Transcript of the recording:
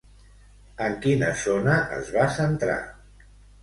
En quina zona es va centrar?